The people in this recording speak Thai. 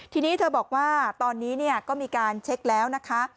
ทีนี้เธอบอกว่าตอนนี้ก็มีการเช็คแล้วนะคะ